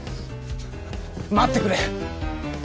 待ってくれ！